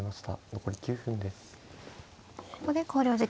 残り９分です。